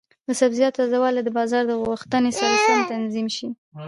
د سبزیجاتو تازه والي د بازار د غوښتنې سره سم تنظیم شي.